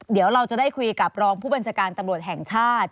เดี๋ยวเราจะได้คุยกับรองผู้บัญชาการตำรวจแห่งชาติ